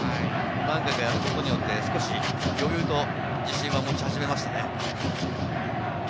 何回かやることによって少し余裕と自信を持ち始めましたね。